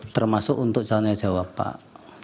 termasuk untuk calon yang jawab pak